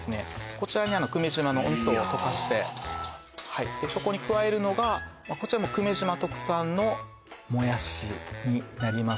こちらにあの久米島のお味噌を溶かしていやはいそこに加えるのがこちらも久米島特産のもやしになります